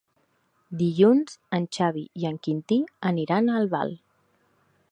Dilluns en Xavi i en Quintí aniran a Albal.